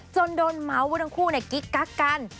จนโดนเมาส์ว่าทั้งคู่กิ๊กกักกัน